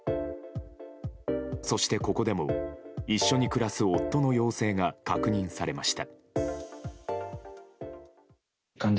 そして、ここでも一緒に暮らす夫の陽性が確認されました。